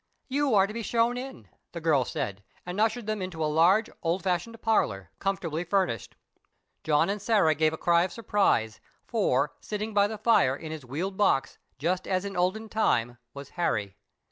"You are to be shown in," the girl said, and ushered them into a large, old fashioned parlour, comfortably furnished. John and Sarah gave a cry of surprise, for, sitting by the fire, in his wheeled box, just as in the olden time, was Harry.